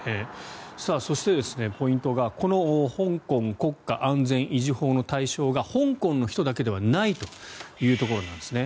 そして、ポイントがこの香港国家安全維持法の対象が香港の人だけではないというところなんですね。